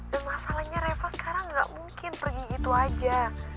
dan masalahnya reva sekarang nggak mungkin pergi gitu aja